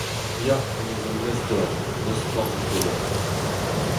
Ya ! me a zo mestr deoc’h, n’eus forzh e pelec’h.